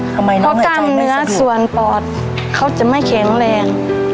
เพราะกล้ามเนื้อส่วนปอดเขาจะไม่แข็งแรง